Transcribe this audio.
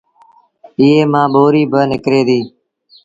ايئي مآݩ ٻُوريٚ با نڪري ديٚ۔